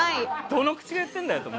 どの口が言ってんだよって。